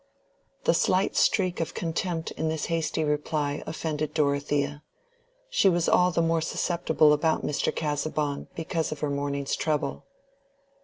The slight streak of contempt in this hasty reply offended Dorothea. She was all the more susceptible about Mr. Casaubon because of her morning's trouble.